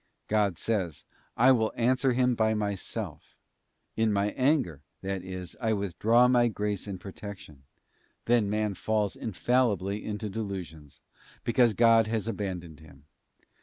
God says, 'I will answer him by Myself, in My anger, that is, I withdraw My grace and protection; then man falls infallibly into delusions, because God has abandoned him.